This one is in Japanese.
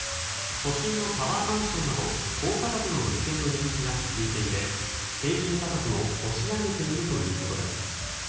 都心のタワーマンションなど高価格の物件の人気が続いていて、平均価格を押し上げているということです。